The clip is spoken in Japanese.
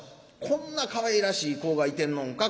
こんなかわいらしい子がいてんのんか。